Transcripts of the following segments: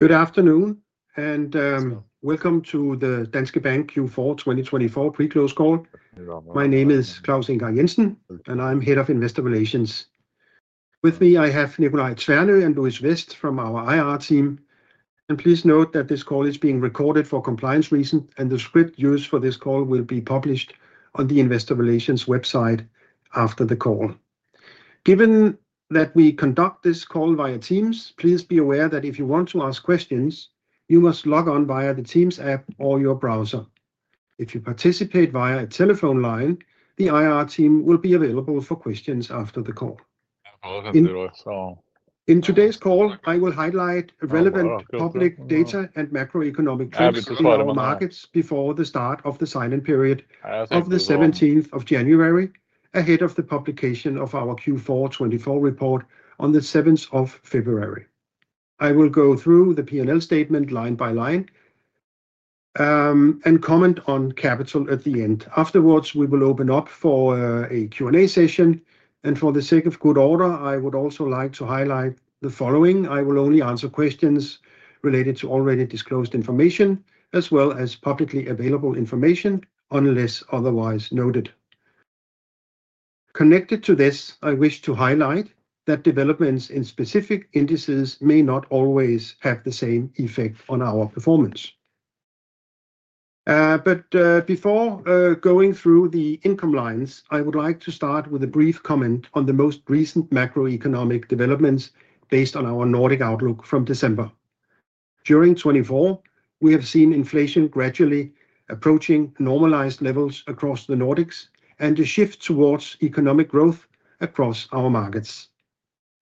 Good afternoon, and welcome to the Danske Bank Q4 2024 Pre-close Call. My name is Claus Ingar Jensen, and I'm Head of Investor Relations. With me, I have Nicolai Tvermoes and Louise West from our IR team. Please note that this call is being recorded for compliance reasons, and the script used for this call will be published on the investor relations website after the call. Given that we conduct this call via Teams, please be aware that if you want to ask questions, you must log on via the Teams app or your browser. If you participate via a telephone line, the IR team will be available for questions after the call. In today's call, I will highlight relevant public data and macroeconomic trends in global markets before the start of the silent period of the January 17, ahead of the publication of our Q4 2024 report on the February 7. I will go through the P&L statement line by line and comment on capital at the end. Afterwards, we will open up for a Q&A session. And for the sake of good order, I would also like to highlight the following: I will only answer questions related to already disclosed information, as well as publicly available information, unless otherwise noted. Connected to this, I wish to highlight that developments in specific indices may not always have the same effect on our performance. But before going through the income lines, I would like to start with a brief comment on the most recent macroeconomic developments based on our Nordic outlook from December. During 2024, we have seen inflation gradually approaching normalized levels across the Nordics and a shift towards economic growth across our markets.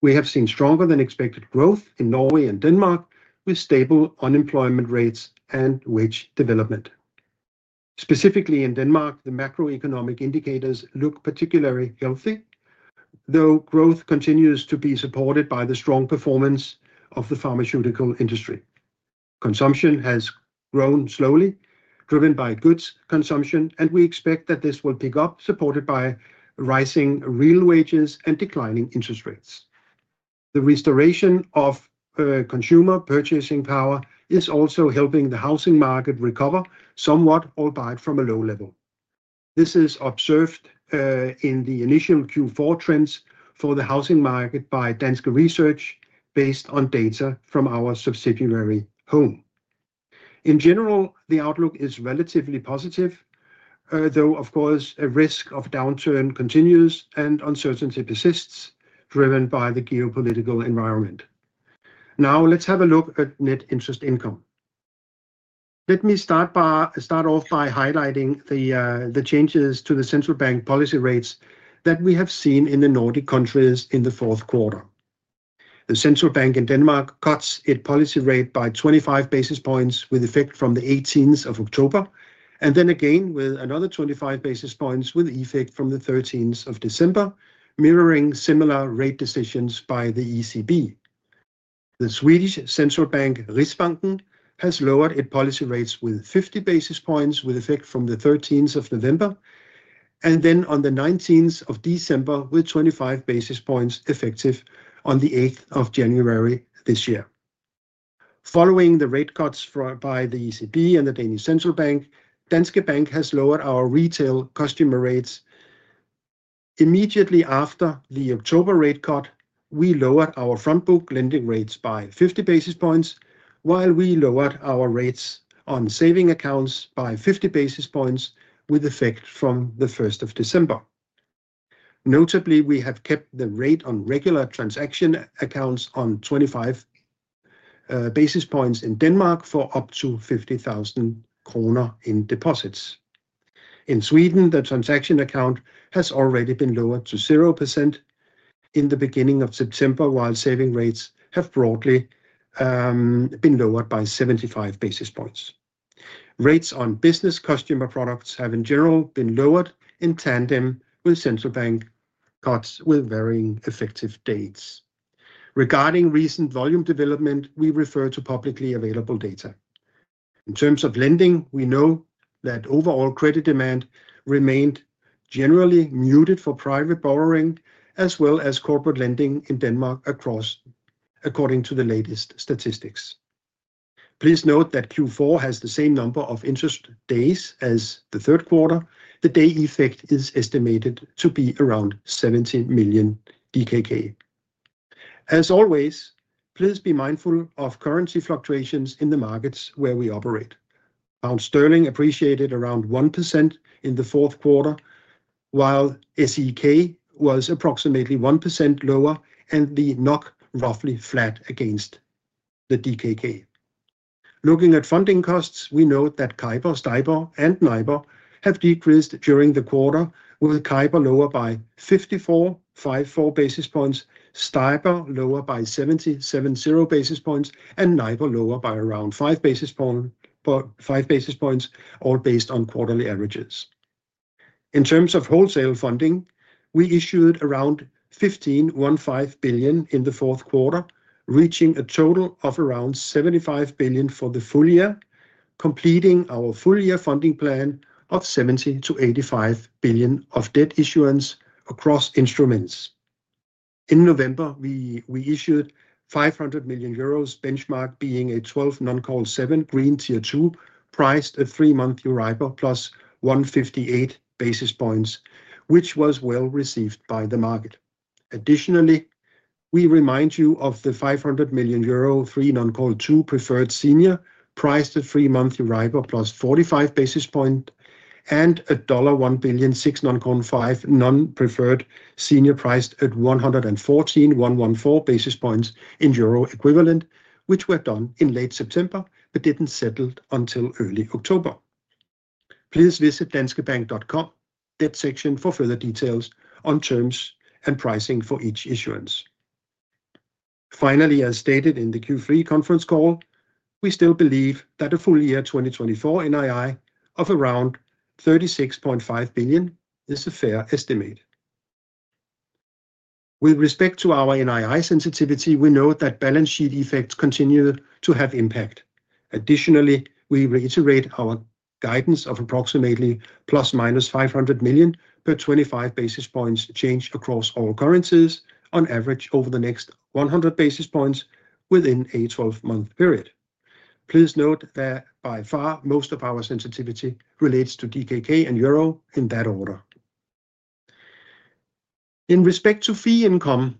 We have seen stronger than expected growth in Norway and Denmark, with stable unemployment rates and wage development. Specifically in Denmark, the macroeconomic indicators look particularly healthy, though growth continues to be supported by the strong performance of the pharmaceutical industry. Consumption has grown slowly, driven by goods consumption, and we expect that this will pick up, supported by rising real wages and declining interest rates. The restoration of consumer purchasing power is also helping the housing market recover somewhat, albeit from a low level. This is observed in the initial Q4 trends for the housing market by Danske Research, based on data from our subsidiary Home. In general, the outlook is relatively positive, though, of course, a risk of downturn continues and uncertainty persists, driven by the geopolitical environment. Now, let's have a look at net interest income. Let me start off by highlighting the changes to the central bank policy rates that we have seen in the Nordic countries in Q4. The central bank in Denmark cuts its policy rate by 25 basis points with effect from the 18 October, and then again with another 25 basis points with effect from the 13 December, mirroring similar rate decisions by the ECB. The Swedish central bank Riksbanken has lowered its policy rates with 50 basis points with effect from the 13 November, and then on the 19 December with 25 basis points effective on the 8 January this year. Following the rate cuts by the ECB and the Danish central bank, Danske Bank has lowered our retail customer rates. Immediately after the October rate cut, we lowered our front-book lending rates by 50 basis points, while we lowered our rates on saving accounts by 50 basis points with effect from the 1 December. Notably, we have kept the rate on regular transaction accounts on 25 basis points in Denmark for up to 50,000 kroner in deposits. In Sweden, the transaction account has already been lowered to 0% in the beginning of September, while saving rates have broadly been lowered by 75 basis points. Rates on business customer products have, in general, been lowered in tandem with central bank cuts with varying effective dates. Regarding recent volume development, we refer to publicly available data. In terms of lending, we know that overall credit demand remained generally muted for private borrowing, as well as corporate lending in Denmark according to the latest statistics. Please note that Q4 has the same number of interest days as Q3. The day effect is estimated to be around 17 million DKK. As always, please be mindful of currency fluctuations in the markets where we operate. Pound sterling appreciated around 1% in the Q4, while SEK was approximately 1% lower and the NOK roughly flat against the DKK. Looking at funding costs, we note that CIBOR, STIBOR and NIBOR have decreased during the quarter, with CIBOR lower by 54.54 basis points, STIBOR lower by 77.0 basis points, and NIBOR lower by around 5 basis points, all based on quarterly averages. In terms of wholesale funding, we issued around 15.15 billion in Q4, reaching a total of around 75 billion for the full year, completing our full year funding plan of 70 to 85 billion of debt issuance across instruments. In November, we issued 500 million euros, benchmark being a 12 non-call 7 Green Tier 2, priced at 3-month EURIBOR plus 158 basis points, which was well received by the market. Additionally, we remind you of the 500 million euro 3 non-call 2 preferred senior, priced at 3-month EURIBOR plus 45 basis points and a $1 billion 6 non-call 5 non-preferred senior, priced at 114.114 basis points in euro equivalent, which were done in late September but didn't settle until early October. Please visit danskebank.com, debt section, for further details on terms and pricing for each issuance. Finally, as stated in the Q3 conference call, we still believe that a full year 2024 NII of around 36.5 billion is a fair estimate. With respect to our NII sensitivity, we note that balance sheet effects continue to have impact. Additionally, we reiterate our guidance of approximately plus minus 500 million per 25 basis points change across all currencies on average over the next 100 basis points within a 12-month period. Please note that by far most of our sensitivity relates to DKK and euro in that order. In respect to fee income,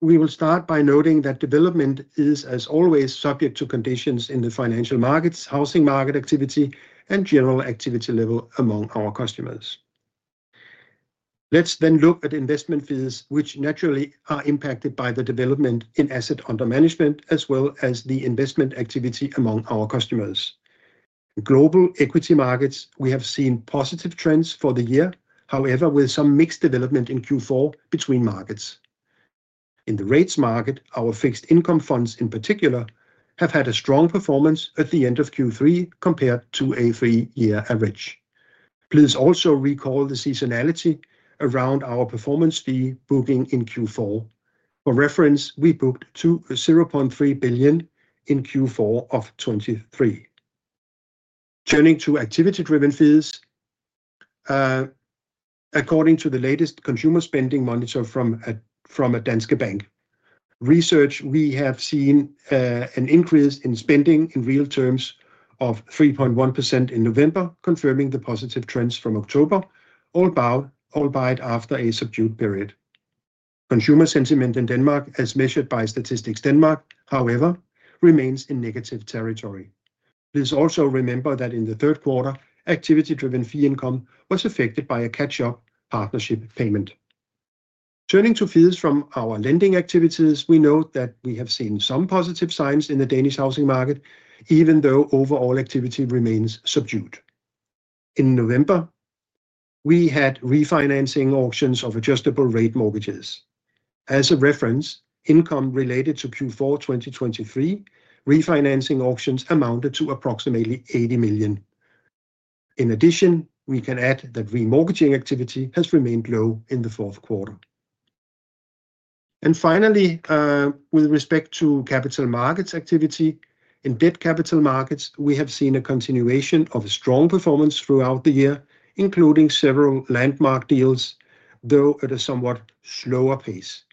we will start by noting that development is, as always, subject to conditions in the financial markets, housing market activity, and general activity level among our customers. Let's then look at investment fees, which naturally are impacted by the development in asset under management, as well as the investment activity among our customers. Global equity markets, we have seen positive trends for the year, however, with some mixed development in Q4 between markets. In the rates market, our fixed income funds in particular have had a strong performance at the end of Q3 compared to a three-year average. Please also recall the seasonality around our performance fee booking in Q4. For reference, we booked 0.3 billion in Q4 of 2023. Turning to activity-driven fees, according to the latest consumer spending monitor from Danske Bank Research, we have seen an increase in spending in real terms of 3.1% in November, confirming the positive trends from October, albeit after a subdued period. Consumer sentiment in Denmark, as measured by Statistics Denmark, however, remains in negative territory. Please also remember that in Q3, activity-driven fee income was affected by a catch-up partnership payment. Turning to fees from our lending activities, we note that we have seen some positive signs in the Danish housing market, even though overall activity remains subdued. In November, we had refinancing auctions of adjustable rate mortgages. As a reference, income related to Q4 2023 refinancing auctions amounted to approximately 80 million. In addition, we can add that remortgaging activity has remained low in the Q4. Finally, with respect to capital markets activity, in debt capital markets, we have seen a continuation of strong performance throughout the year, including several landmark deals, though at a somewhat slower pace.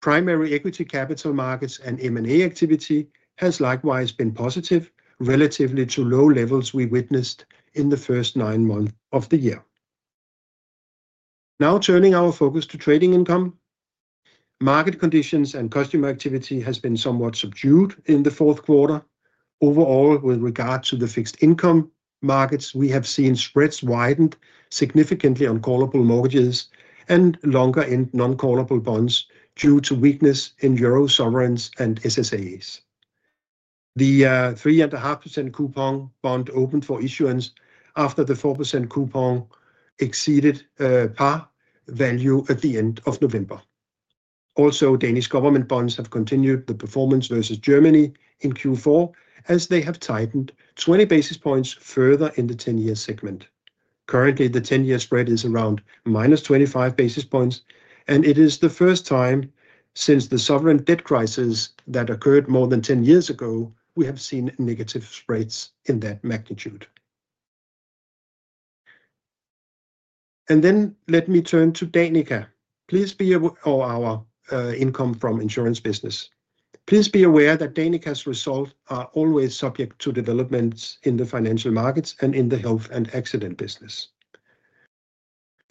Primary equity capital markets and M&A activity has likewise been positive relative to low levels we witnessed in the first nine months of the year. Now turning our focus to trading income, market conditions and customer activity has been somewhat subdued in Q4. Overall, with regard to the fixed income markets, we have seen spreads widened significantly on callable mortgages and longer in non-callable bonds due to weakness in euro sovereigns and SSAs. The 3.5% coupon bond opened for issuance after the 4% coupon exceeded par value at the end of November. Also, Danish government bonds have continued the performance versus Germany in Q4, as they have tightened 20 basis points further in the 10-year segment. Currently, the 10-year spread is around minus 25 basis points, and it is the first time since the sovereign debt crisis that occurred more than 10 years ago we have seen negative spreads in that magnitude. And then let me turn to Danica. Please be aware, our income from insurance business. Please be aware that Danica's results are always subject to developments in the financial markets and in the health and accident business.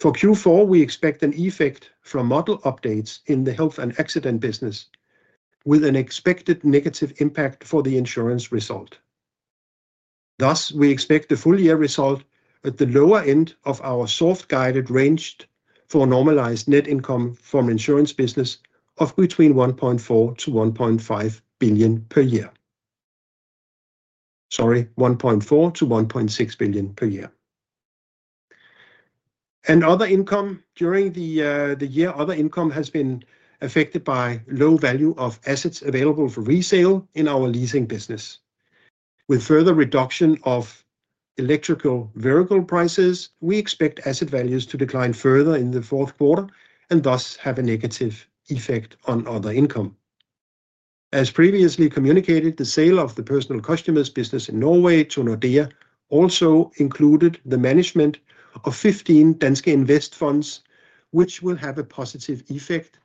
For Q4, we expect an effect from model updates in the health and accident business, with an expected negative impact for the insurance result. Thus, we expect the full year result at the lower end of our soft-guided range for normalized net income from insurance business of between 1.4 to 1.6 billion per year. Sorry, 1.4 to 1.6 billion per year. Other income during the year, other income has been affected by low value of assets available for resale in our leasing business. With further reduction of electrical variable prices, we expect asset values to decline further in Q4 and thus have a negative effect on other income. As previously communicated, the sale of the personal customers business in Norway to Nordea also included the management of 15 Danske Invest funds, which will have a positive effect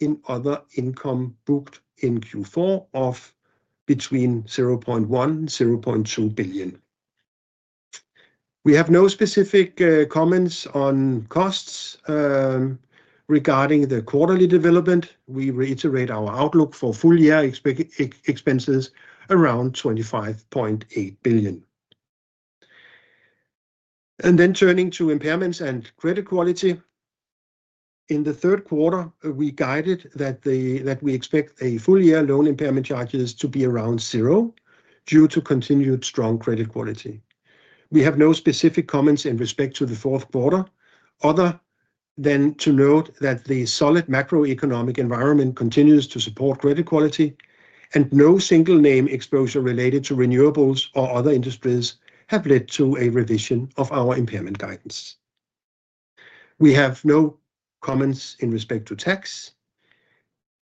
in other income booked in Q4 of between 0.1 billion and 0.2 billion. We have no specific comments on costs regarding the quarterly development. We reiterate our outlook for full year expenses around 25.8 billion. Turning to impairments and credit quality. In Q3, we guided that we expect a full year loan impairment charges to be around zero due to continued strong credit quality. We have no specific comments in respect to Q4 other than to note that the solid macroeconomic environment continues to support credit quality, and no single name exposure related to renewables or other industries have led to a revision of our impairment guidance. We have no comments in respect to tax.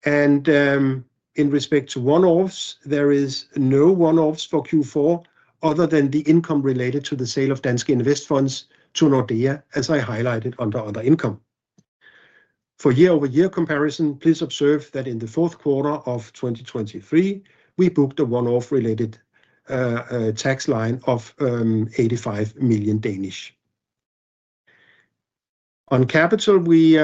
And in respect to one-offs, there is no one-offs for Q4 other than the income related to the sale of Danske Invest funds to Nordea, as I highlighted under other income. For year-over-year comparison, please observe that in the Q4 of 2023, we booked a one-off related tax line of 85 million. On capital, we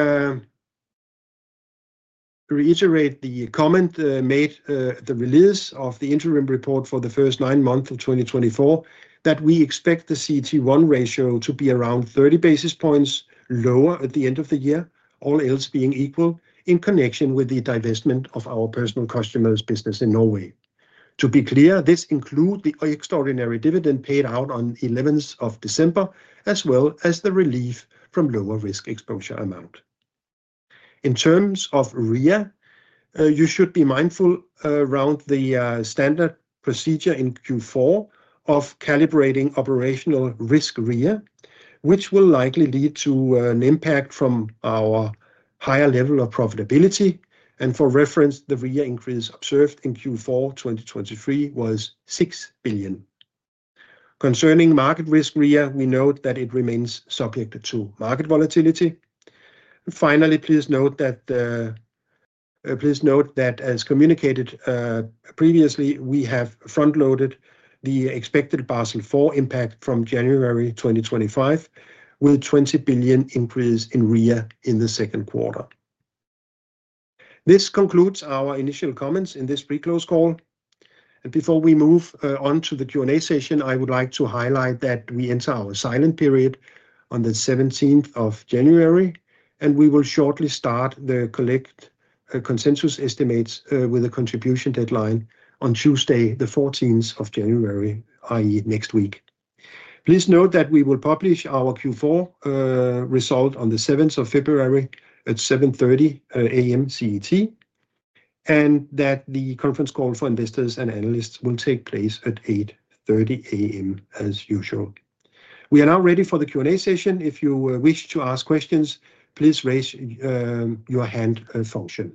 reiterate the comment made at the release of the interim report for the first nine months of 2024, that we expect the CT1 ratio to be around 30 basis points lower at the end of the year, all else being equal in connection with the divestment of our personal customers business in Norway. To be clear, this includes the extraordinary dividend paid out on 11 December, as well as the relief from lower risk exposure amount. In terms of REIA, you should be mindful around the standard procedure in Q4 of calibrating operational risk REA, which will likely lead to an impact from our higher level of profitability, and for reference, the REA increase observed in Q4 2023 was 6 billion. Concerning market risk REA, we note that it remains subject to market volatility. Finally, please note that as communicated previously, we have front-loaded the expected Basel IV impact from January 2025 with a 20 billion increase in REIA in the second quarter. This concludes our initial comments in this pre-close call, and before we move on to the Q&A session, I would like to highlight that we enter our silent period on the 17 January, and we will shortly start to collect consensus estimates with a contribution deadline on Tuesday, 14 January, i.e., next week. Please note that we will publish our Q4 result on the 7 February at 7:30 A.M. CET, and that the conference call for investors and analysts will take place at 8:30 A.M. as usual. We are now ready for the Q&A session. If you wish to ask questions, please raise your hand function.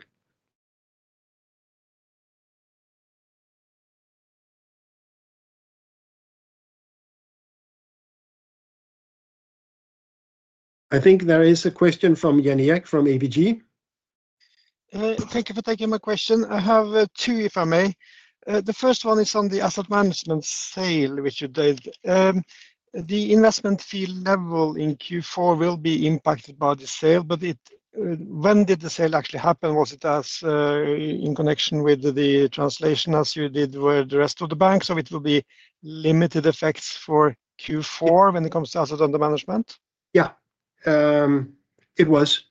I think there is a question from Jan Erik from ABG. Thank you for taking my question. I have two, if I may. The first one is on the asset management sale, [Richard Dove]. The investment fee level in Q4 will be impacted by the sale, but when did the sale actually happen? Was it in connection with the transaction as you did with the rest of the bank? So it will be limited effects for Q4 when it comes to assets under management? Yeah, it was.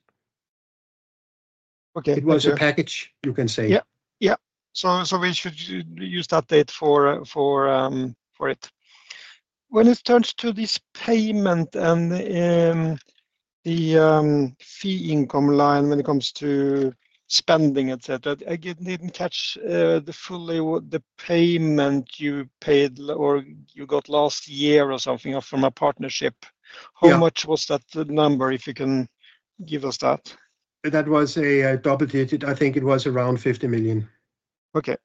Okay, it was a package, you can say. Yeah, yeah. So we should use that date for it. When it comes to this payment and the fee income line when it comes to spending, etc., I didn't catch fully the payment you paid or you got last year or something from a partnership. How much was that number, if you can give us that? That was a double digit. I think it was around 50 million. Okay.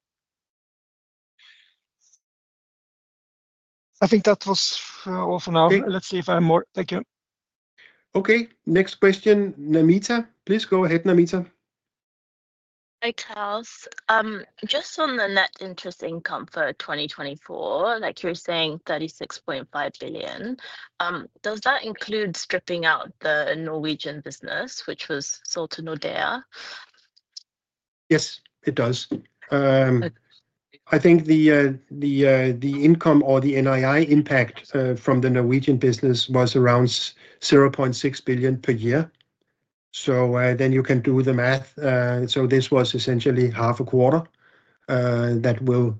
I think that was all for now. Let's see if I have more. Thank you. Okay. Next question, Namita. Please go ahead, Namita. Hi, Claus. Just on the net interest income for 2024, like you're saying, 36.5 billion, does that include stripping out the Norwegian business, which was sold to Nordea? Yes, it does. I think the income or the NII impact from the Norwegian business was around 0.6 billion per year. So then you can do the math. So this was essentially half a quarter that will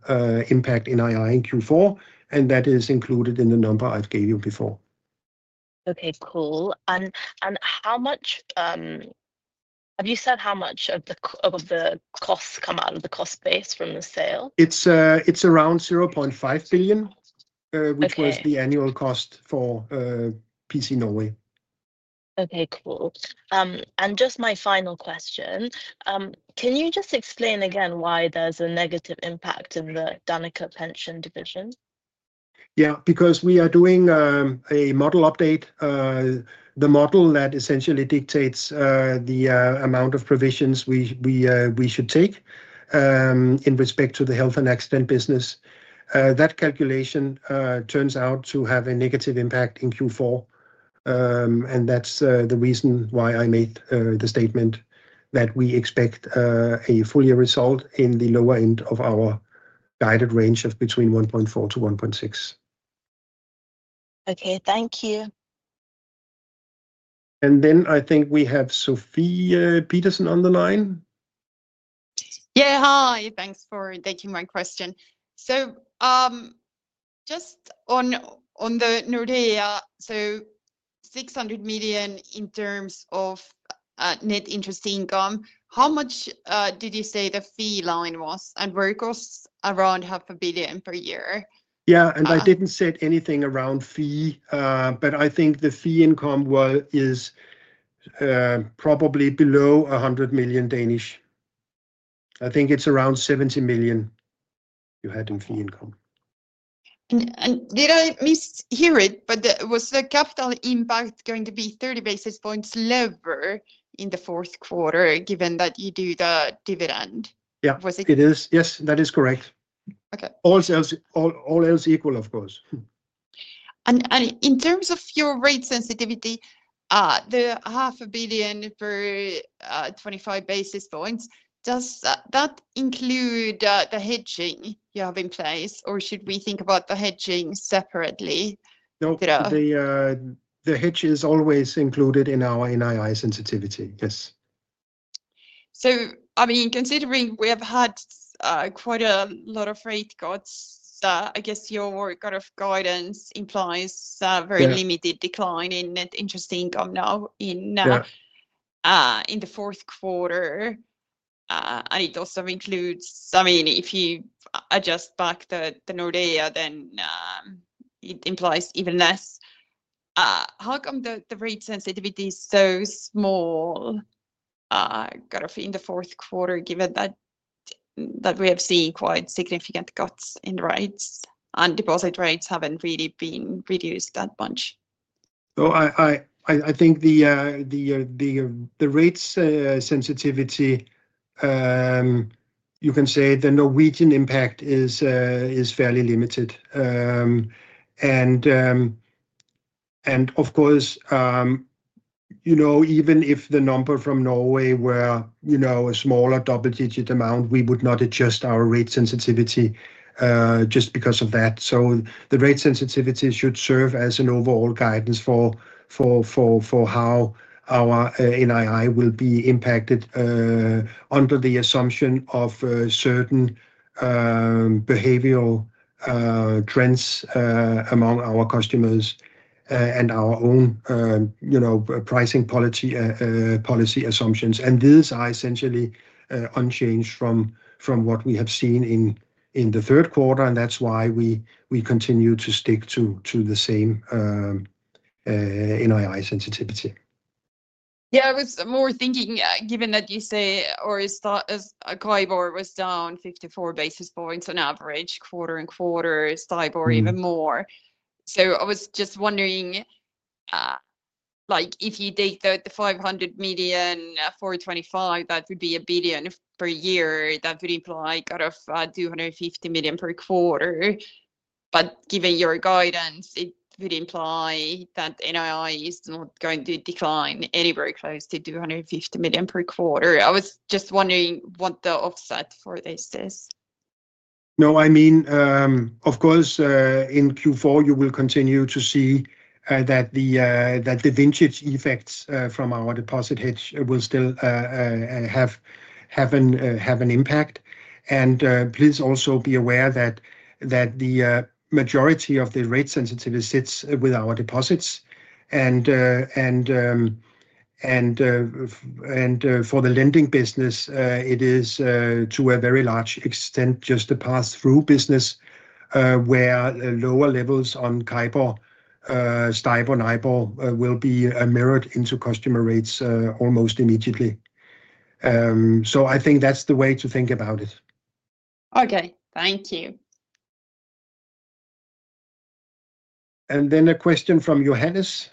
impact NII in Q4, and that is included in the number I've given you before. Okay, cool. And have you said how much of the costs come out of the cost base from the sale? It's around 0.5 billion, which was the annual cost for PC Norway. Okay, cool. Just my final question. Can you just explain again why there's a negative impact in the Danica Pension division? Yeah, because we are doing a model update, the model that essentially dictates the amount of provisions we should take in respect to the health and accident business. That calculation turns out to have a negative impact in Q4, and that's the reason why I made the statement that we expect a full-year result in the lower end of our guided range of between 1.4 and 1.6. Okay, thank you. And then I think we have Sofie Peterzens on the line. Yeah, hi. Thanks for taking my question. So just on the Nordea, so 600 million in terms of net interest income, how much did you say the fee line was? And what are the costs around 500 million per year? Yeah, and I didn't say anything around fees, but I think the fee income is probably below 100 million. I think it's around 70 million you had in fee income. Did I mishear it, but was the capital impact going to be 30 basis points lower in the Q4, given that you do the dividend? Yeah, it is. Yes, that is correct. All else equal, of course. And in terms of your rate sensitivity, the 500 million for 25 basis points, does that include the hedging you have in place, or should we think about the hedging separately? No, the hedge is always included in our NII sensitivity, yes. So, I mean, considering we have had quite a lot of rate cuts, I guess your kind of guidance implies a very limited decline in net interest income now in the Q4. And it also includes, I mean, if you adjust back the Nordea, then it implies even less. How come the rate sensitivity is so small kind of in the Q4, given that we have seen quite significant cuts in rates and deposit rates haven't really been reduced that much? So I think the rate sensitivity, you can say the Norwegian impact is fairly limited. And of course, even if the number from Norway were a smaller double-digit amount, we would not adjust our rate sensitivity just because of that. So the rate sensitivity should serve as an overall guidance for how our NII will be impacted under the assumption of certain behavioral trends among our customers and our own pricing policy assumptions. And these are essentially unchanged from what we have seen in the Q3, and that's why we continue to stick to the same NII sensitivity. Yeah, I was more thinking, given that you say a CIBOR was down 54 basis points on average quarter and quarter, CIBOR even more. So I was just wondering, if you take the 500 million for 25, that would be a 1 billion per year. That would imply kind of 250 million per quarter. But given your guidance, it would imply that NII is not going to decline anywhere close to 250 million per quarter. I was just wondering what the offset for this is. No, I mean, of course, in Q4, you will continue to see that the vintage effects from our deposit hedge will still have an impact. And please also be aware that the majority of the rate sensitivity sits with our deposits. And for the lending business, it is to a very large extent just a pass-through business where lower levels on CIBOR, STIBOR, or NIBOR will be mirrored into customer rates almost immediately. So I think that's the way to think about it. Okay, thank you. And then a question from Johannes.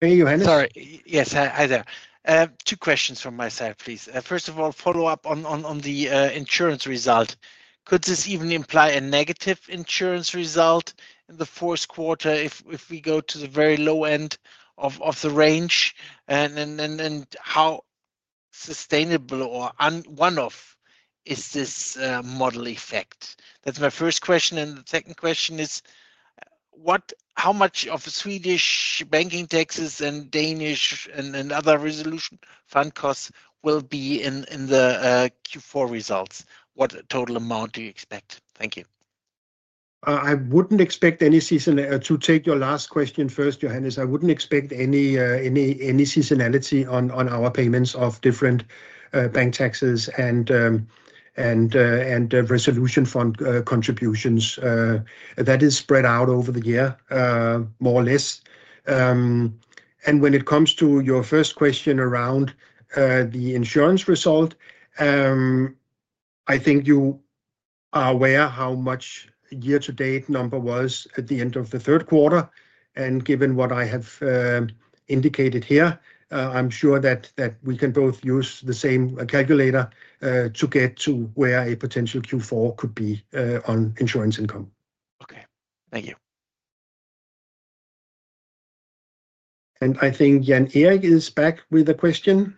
Hey, Johannes? Sorry, yes, hi there. Two questions from my side, please. First of all, follow up on the insurance result. Could this even imply a negative insurance result in the Q4 if we go to the very low end of the range? And how sustainable or one-off is this model effect? That's my first question. And the second question is, how much of Swedish banking taxes and Danish and other resolution fund costs will be in the Q4 results? What total amount do you expect? Thank you. I wouldn't expect any seasonality to take your last question first, Johannes. I wouldn't expect any seasonality on our payments of different bank taxes and resolution fund contributions. That is spread out over the year, more or less. When it comes to your first question around the insurance result, I think you are aware how much year-to-date number was at the end of the Q3. Given what I have indicated here, I'm sure that we can both use the same calculator to get to where a potential Q4 could be on insurance income. Okay, thank you. I think Jan Erik is back with a question.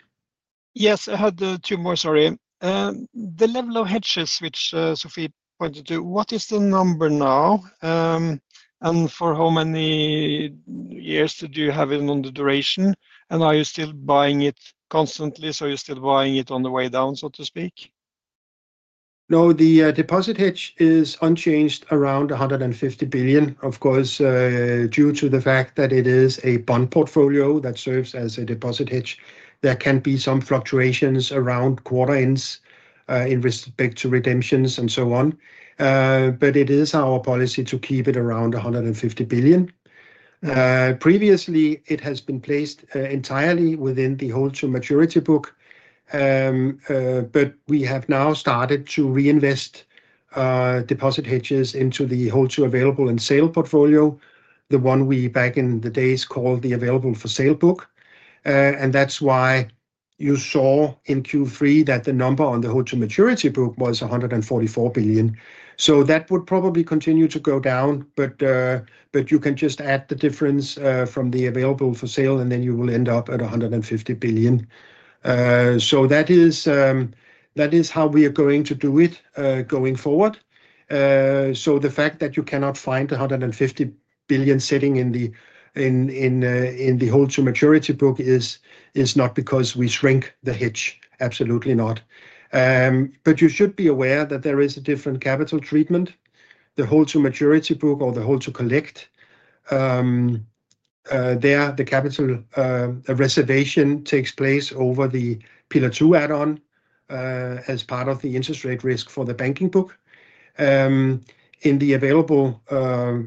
Yes, I had two more, sorry. The level of hedges, which Sofie pointed to, what is the number now? For how many years did you have it on the duration? Are you still buying it constantly? So you're still buying it on the way down, so to speak? No, the deposit hedge is unchanged around 150 billion, of course, due to the fact that it is a bond portfolio that serves as a deposit hedge. There can be some fluctuations around quarter ends in respect to redemptions and so on. It is our policy to keep it around 150 billion. Previously, it has been placed entirely within the hold-to-maturity book. We have now started to reinvest deposit hedges into the hold-to-collect and available-for-sale portfolio, the one we back in the days called the available-for-sale book. That's why you saw in Q3 that the number on the hold-to-maturity book was 144 billion. That would probably continue to go down, but you can just add the difference from the available-for-sale, and then you will end up at 150 billion. That is how we are going to do it going forward. The fact that you cannot find 150 billion sitting in the hold-to-maturity book is not because we shrink the hedge, absolutely not. But you should be aware that there is a different capital treatment, the hold-to-maturity book or the hold-to-collect. There, the capital reservation takes place over the Pillar II add-on as part of the interest rate risk for the banking book. In the available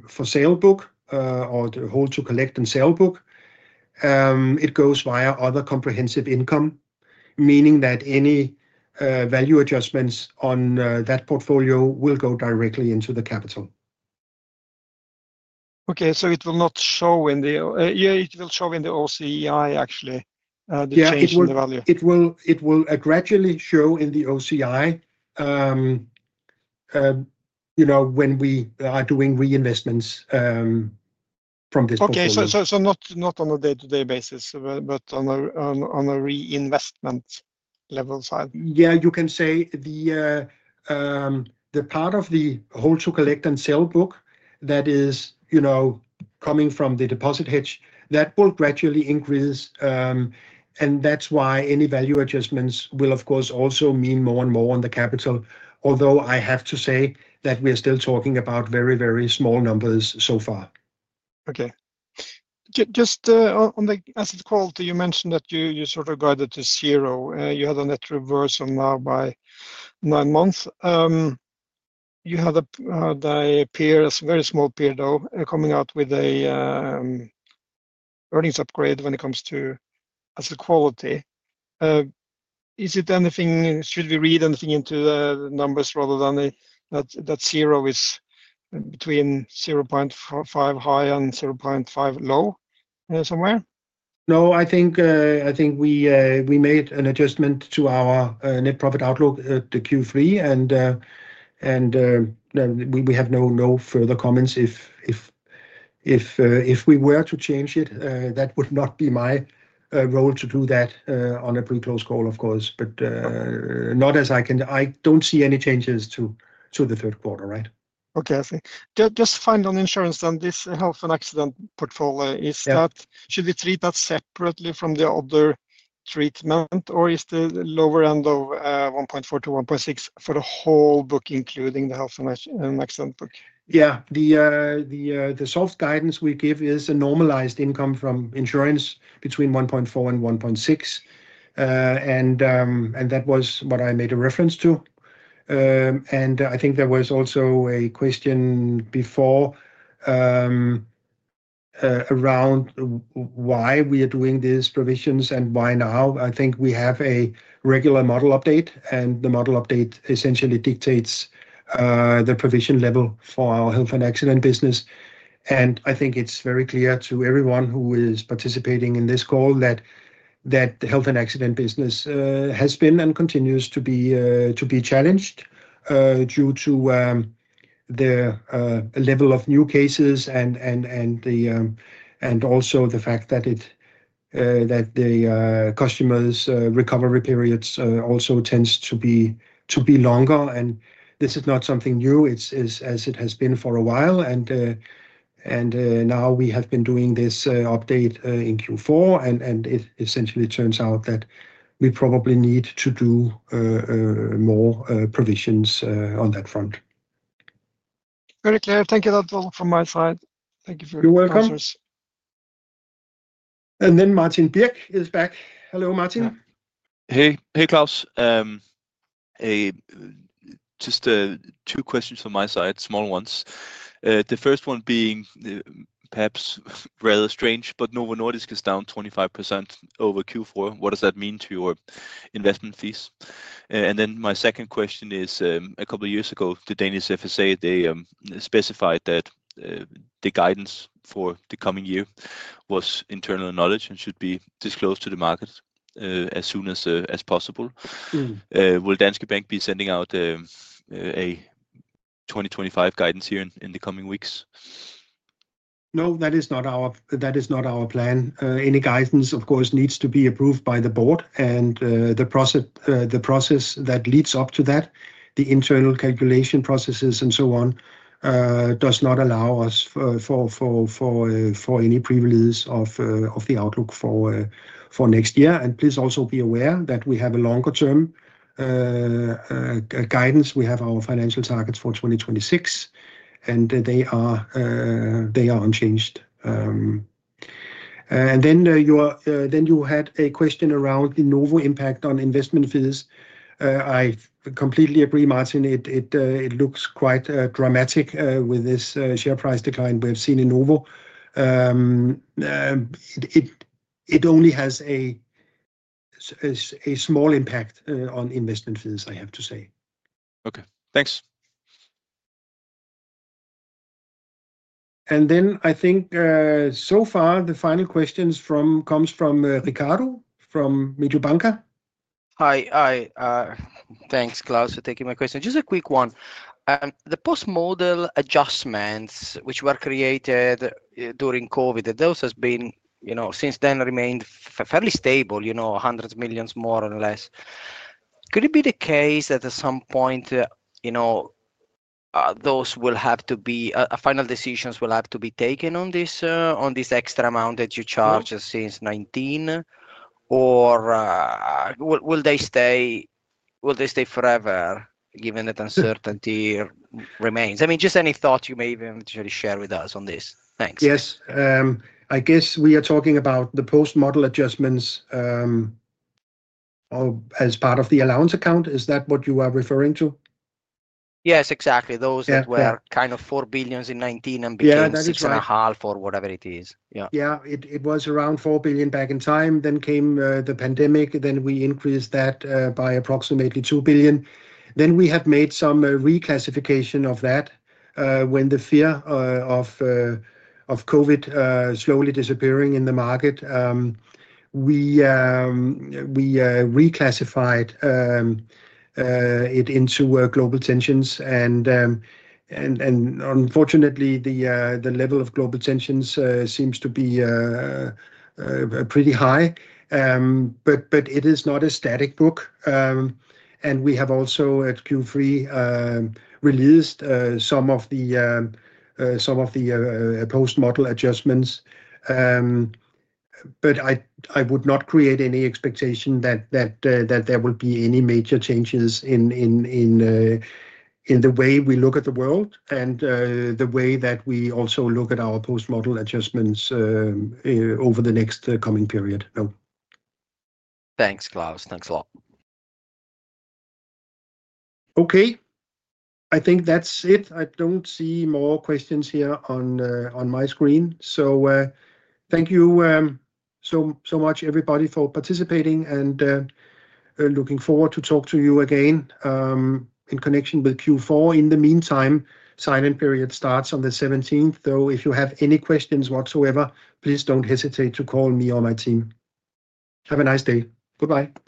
for sale book or the hold-to-collect and sale book, it goes via other comprehensive income, meaning that any value adjustments on that portfolio will go directly into the capital. Okay, so it will not show in the. It will show in the OCI, actually, the change in the value. It will gradually show in the OCI when we are doing reinvestments from this portfolio. Okay, so not on a day-to-day basis, but on a reinvestment level side? Yeah, you can say the part of the hold-to-collect and sale book that is coming from the deposit hedge, that will gradually increase. And that's why any value adjustments will, of course, also mean more and more on the capital, although I have to say that we are still talking about very, very small numbers so far. Okay. Just on the asset quality, you mentioned that you sort of guided to zero. You had a net reversal now by nine months. You had a peer, a very small peer, though, coming out with an earnings upgrade when it comes to asset quality. Is it anything should we read anything into the numbers rather than that zero is between 0.5 high and 0.5 low somewhere? No, I think we made an adjustment to our net profit outlook at Q3, and we have no further comments. If we were to change it, that would not be my role to do that on a pretty close call, of course, but not as I can, I don't see any changes to the Q3, right? Okay, I see. Just final insurance on this health and accident portfolio, should we treat that separately from the other treatment, or is the lower end of 1.4-1.6 for the whole book, including the health and accident book? Yeah, the soft guidance we give is a normalized income from insurance between 1.4 and 1.6, and that was what I made a reference to, and I think there was also a question before around why we are doing these provisions and why now. I think we have a regular model update, and the model update essentially dictates the provision level for our health and accident business. And I think it's very clear to everyone who is participating in this call that the health and accident business has been and continues to be challenged due to the level of new cases and also the fact that the customers' recovery periods also tend to be longer. And this is not something new, as it has been for a while. And now we have been doing this update in Q4, and it essentially turns out that we probably need to do more provisions on that front. Very clear. Thank you, that's all from my side. Thank you for your comments. You're welcome. And then Martin Birn is back. Hello, Martin. Hey, hey, Claus. Just two questions from my side, small ones. The first one being perhaps rather strange, but Novo Nordisk is down 25% over Q4. What does that mean to your investment fees? And then my second question is, a couple of years ago, the Danish FSA, they specified that the guidance for the coming year was internal knowledge and should be disclosed to the market as soon as possible. Will Danske Bank be sending out a 2025 guidance here in the coming weeks? No, that is not our plan. Any guidance, of course, needs to be approved by the board. And the process that leads up to that, the internal calculation processes and so on, does not allow us for any privileges of the outlook for next year. And please also be aware that we have a longer-term guidance. We have our financial targets for 2026, and they are unchanged. And then you had a question around the Novo impact on investment fees. I completely agree, Martin. It looks quite dramatic with this share price decline we have seen in Novo. It only has a small impact on investment fees, I have to say. Okay, thanks. And then I think so far, the final question comes from Riccardo from Mediobanca. Hi, thanks, Claus, for taking my question. Just a quick one. The post-model adjustments which were created during COVID, those have been since then remained fairly stable, hundreds of millions more or less. Could it be the case that at some point those final decisions will have to be taken on this extra amount that you charge since 2019? Or will they stay forever given that uncertainty remains? I mean, just any thought you may even share with us on this. Thanks. Yes, I guess we are talking about the post-model adjustments as part of the allowance account. Is that what you are referring to? Yes, exactly. Those that were kind of four billion in 2019 and became 6.5 for whatever it is. Yeah, it was around four billion back in time. Then came the pandemic. Then we increased that by approximately two billion. Then we have made some reclassification of that. When the fear of COVID slowly disappearing in the market, we reclassified it into global tensions. And unfortunately, the level of global tensions seems to be pretty high. But it is not a static book. And we have also at Q3 released some of the post-model adjustments. But I would not create any expectation that there would be any major changes in the way we look at the world and the way that we also look at our post-model adjustments over the next coming period. Thanks, Claus. Thanks a lot. Okay, I think that's it. I don't see more questions here on my screen. So thank you so much, everybody, for participating. And looking forward to talk to you again in connection with Q4. In the meantime, silent period starts on the 17. Though if you have any questions whatsoever, please don't hesitate to call me or my team. Have a nice day. Goodbye.